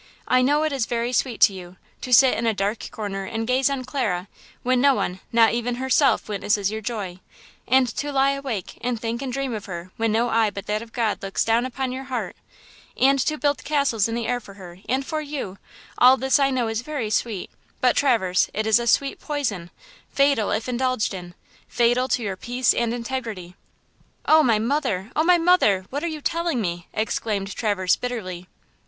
I know it is very sweet to you, to sit in a dark corner and gaze on Clara, when no one, not even herself, witnesses your joy, and to lie awake and think and dream of her when no eye but that of God looks down upon your heart; and to build castles in the air for her and for you; all this I know is very sweet, but, Traverse, it is a sweet poison–fatal if indulged in–fatal to your peace and integrity." "Oh, my mother! Oh, my mother! What are you telling me!" exclaimed Traverse, bitterly.